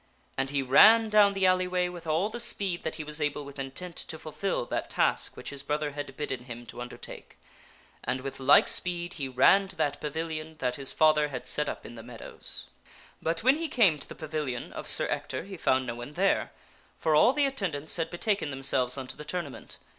And he ran down the alleyway with all the speed that he was able with intent to fulfil that task which his brother had bidden him to undertake ; and with like speed he ran to that pavilion that his father had set up in the meadows. But when he came to the pavilion of Sir Ector he found no one there, for all the attendants had betaken themselves unto the tournament.